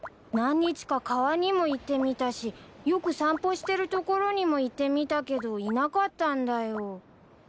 何日か川にも行ってみたしよく散歩してる所にも行ってみたけどいなかったんだよ。